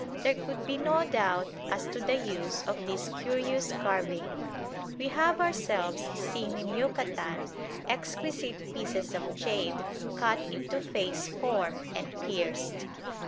There could be no doubt as to the use of this curious carving. We have ourselves seen in Yucatan exquisite pieces of jade cut into face form and pierced.